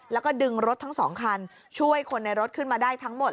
แล้วก็ดึงรถทั้งสองคันช่วยคนในรถขึ้นมาได้ทั้งหมด